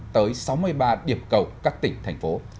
tới sáu mươi ba điểm cầu các tỉnh thành phố